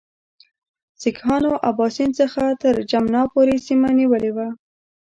سیکهانو اباسین څخه تر جمنا پورې سیمه نیولې وه.